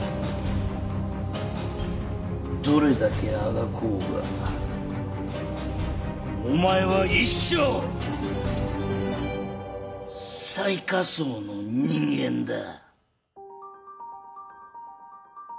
どれだけあがこうがお前は一生最下層の人間だ。